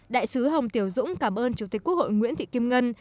đại sứ hồng tiểu dũng cảm ơn chủ tịch quốc hội nguyễn thị kim ngân